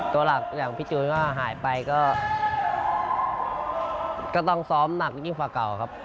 ตัวหลักอย่างพี่จูนก็หายไปก็ต้องซ้อมหนักยิ่งกว่าเก่าครับ